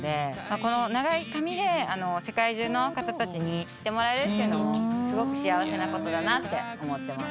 この長い髪で世界中の方たちに知ってもらえるっていうのもすごく幸せな事だなって思ってます。